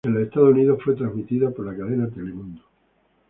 En los Estados Unidos fue trasmitida por la cadena Telemundo.